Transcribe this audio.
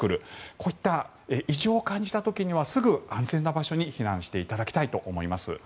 こうした異常を感じたらすぐに安全な場所に避難していただきたいと思います。